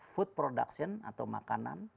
food production atau makanan